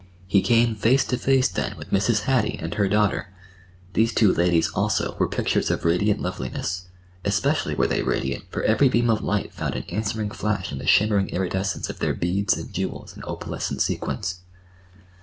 He came face to face then with Mrs. Hattie and her daughter. These two ladies, also, were pictures of radiant loveliness—especially were they radiant, for every beam of light found an answering flash in the shimmering iridescence of their beads and jewels and opalescent sequins.